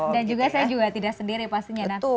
dan juga saya juga tidak sendiri pastinya